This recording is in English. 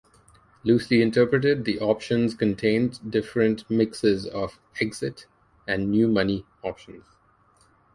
Loosely interpreted, the options contained different mixes of "exit" and "new money" options.